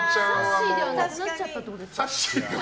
さっしーではなくなっちゃったんですか？